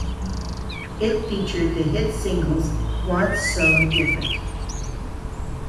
It featured the hit singles What's So Different?